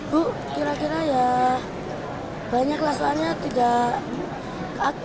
bu kira kira ya banyak lah soalnya tidak